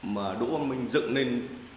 mà đỗ văn minh dựng lên